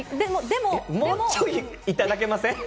もうちょい、いただけません？